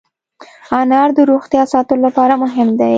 انار د روغتیا ساتلو لپاره مهم دی.